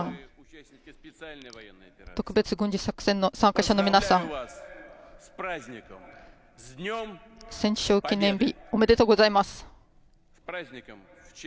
特別軍事作戦の参加者の皆さん、戦勝記念日おめでとうございます。